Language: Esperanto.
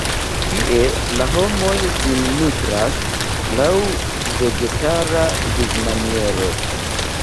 Tie la homoj sin nutras laŭ vegetara vivmaniero.